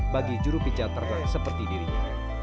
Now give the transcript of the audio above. bagi juru pijat ternak seperti dirinya